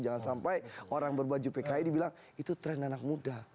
jangan sampai orang berbaju pki dibilang itu tren anak muda